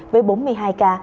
với bốn mươi hai ca